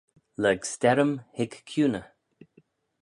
Lurg sterrym hig kiuney.